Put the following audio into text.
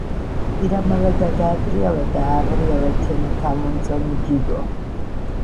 ყირამალა გადაატრიალა და ააღრიალა ჩვენი თავმომწონე გიგო.